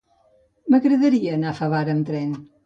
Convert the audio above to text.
M'agradaria anar a Favara amb tren.